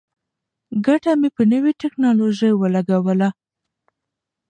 ګټه مې په نوې ټیکنالوژۍ ولګوله.